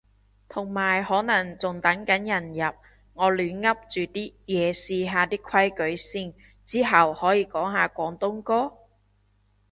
同埋可能仲等緊人入，我亂噏住啲嘢試下啲規則先。之後可以講下廣東歌？